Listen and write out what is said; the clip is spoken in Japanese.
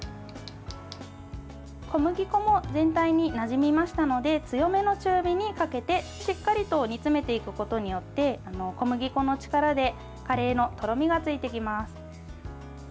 小麦粉も全体になじみましたので強めの中火にかけて、しっかりと煮詰めていくことによって小麦粉の力でカレーのとろみがついてきます。